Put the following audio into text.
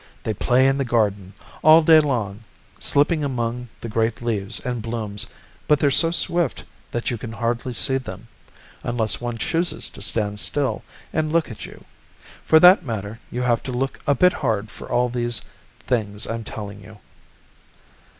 They play in the garden, all day long, slipping among the great leaves and blooms, but they're so swift that you can hardly see them, unless one chooses to stand still and look at you. For that matter, you have to look a bit hard for all these things I'm telling you."